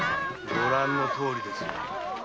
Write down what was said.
ご覧のとおりですよ。